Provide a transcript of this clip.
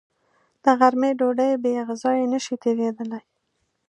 د غرمې ډوډۍ بېغذايي نشي تېرېدلی